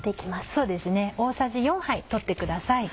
そうですね大さじ４杯取ってください。